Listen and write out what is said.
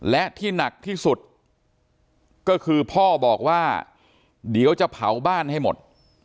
และที่หนักที่สุดก็คือพ่อบอกว่าเดี๋ยวจะเผาบ้านให้หมด